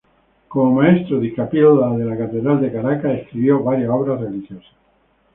Como "maestro di capilla" de la Catedral de Caracas escribió varias obras religiosas.